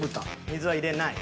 水は入れない？